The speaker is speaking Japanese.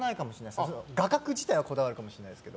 画角自体はこだわるかもしれないですけど。